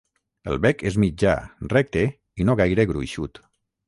El bec és mitjà, recte i no gaire gruixut.